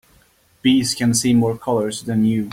Bees can see more colors than you.